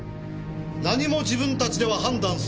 何も自分たちでは判断するな。